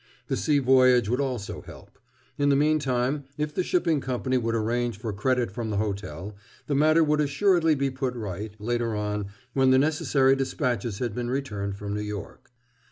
The sea voyage would also help. In the meantime, if the shipping company would arrange for credit from the hotel, the matter would assuredly be put right, later on, when the necessary despatches had been returned from New York.